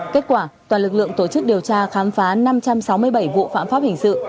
kết quả toàn lực lượng tổ chức điều tra khám phá năm trăm sáu mươi bảy vụ phạm pháp hình sự